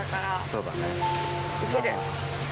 そうだね。